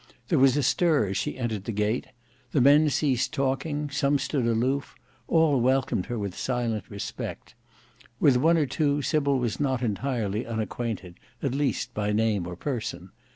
There was a stir as she entered the gate; the men ceased talking, some stood aloof, all welcomed her with silent respect. With one or two Sybil was not entirely unacquainted; at least by name or person.